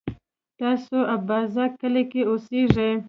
تاسو اببازک کلي کی اوسیږئ؟